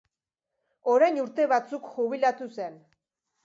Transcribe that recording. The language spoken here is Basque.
Orain urte batzuk jubilatu zen.